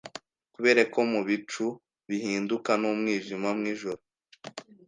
Kuberako mubicu bihinduka numwijima Mwijoro